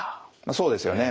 そうですよね。